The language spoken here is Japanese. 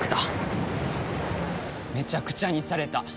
めちゃくちゃにされた。